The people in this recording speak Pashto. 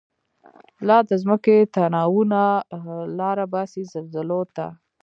لا دځمکی تناوونه، لاره باسی زلزلوته